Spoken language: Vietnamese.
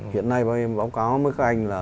hiện nay báo cáo với các anh là